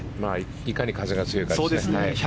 いかに風が強いかですね。